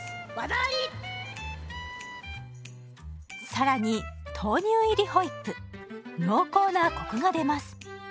更に豆乳入りホイップ濃厚なコクが出ます。